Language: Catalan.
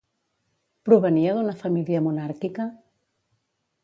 Provenia d'una família monàrquica?